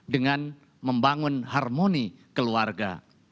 dengan membangun harmoni keluarga